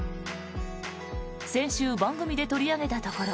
先週、番組で取り上げたところ